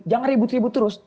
jangan ribut ribut terus